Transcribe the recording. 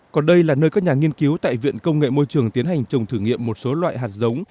còn đây là nơi các nhà nghiên cứu tại viện công nghệ môi trường tiến hành trồng thử nghiệm một số loại hạt giống